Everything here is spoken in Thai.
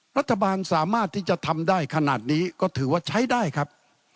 รัฐบาลสามารถที่จะทำได้ขนาดนี้ก็ถือว่าใช้ได้ครับ